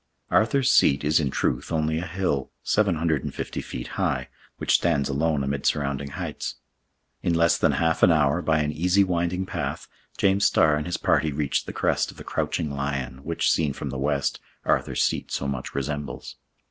Arthur's Seat is in truth only a hill, seven hundred and fifty feet high, which stands alone amid surrounding heights. In less than half an hour, by an easy winding path, James Starr and his party reached the crest of the crouching lion, which, seen from the west, Arthur's Seat so much resembles.